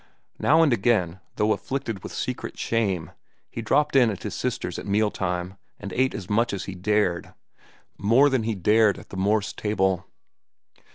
Now and again, though afflicted with secret shame, he dropped in at his sister's at meal time and ate as much as he dared—more than he dared at the Morse table.